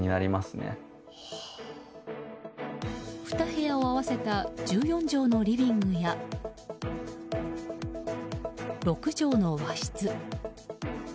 ２部屋を合わせた１４畳のリビングや６畳の和室。